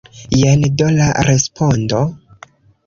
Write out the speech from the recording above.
Jen do la respondo.